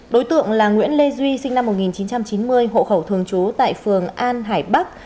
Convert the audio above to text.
đối tượng là nguyễn lê duy sinh năm một nghìn chín trăm chín mươi hộ khẩu thường trú tại phường an hải bắc